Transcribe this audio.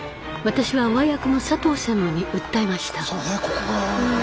私は上役の佐藤専務に訴えました。